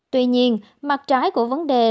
tuy nhiên mặt trái của vấn đề là